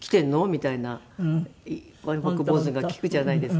みたいなワンパク坊主が聞くじゃないですか。